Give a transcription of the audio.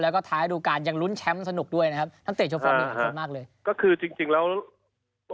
แล้วก็ท้ายดูการยังรุ้นแชมป์สนุกด้วยนะครับคือจริงแล้ว